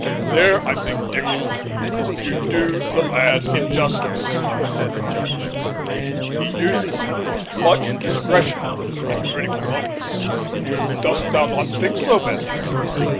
"There, I think, Dickon, you do the lad injustice," said the Judge; "he uses much discretion in critical moments. Dost thou not think so, Bess?"